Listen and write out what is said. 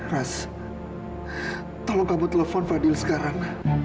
ras tolong kamu telepon fadil sekarang